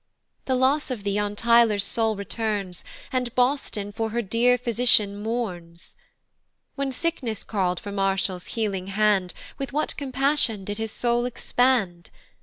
The loss of thee on Tyler's soul returns, And Boston for her dear physician mourns. When sickness call'd for Marshall's healing hand, With what compassion did his soul expand?